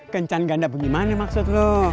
kencan ganda apa gimana maksud lu